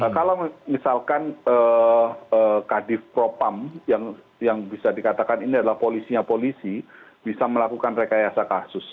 kalau misalkan kadif propam yang bisa dikatakan ini adalah polisinya polisi bisa melakukan rekayasa kasus